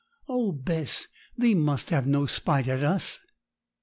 Oh, Bess, thee must have no spite at us.'